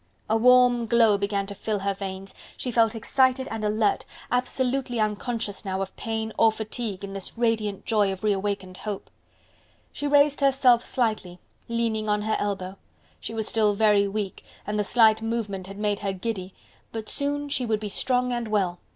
A warm glow began to fill her veins, she felt excited and alert, absolutely unconscious now of pain or fatigue, in this radiant joy of reawakened hope. She raised herself slightly, leaning on her elbow: she was still very weak and the slight movement had made her giddy, but soon she would be strong and well...